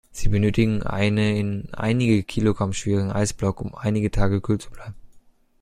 Sie benötigten einen einige Kilogramm schweren Eisblock, um einige Tage kühl zu bleiben.